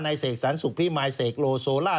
เสกสรรสุขพิมายเสกโลโซล่า